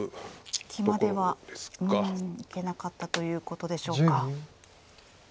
引きまではいけなかったということでしょうか。